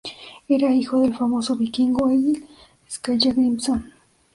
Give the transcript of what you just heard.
Era hijo del famoso vikingo Egil Skallagrímson.